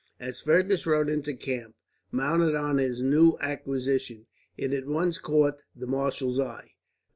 As Fergus rode into the camp, mounted on his new acquisition, it at once caught the marshal's eye.